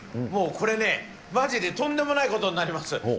もうこれね、まじでとんでもないことになります。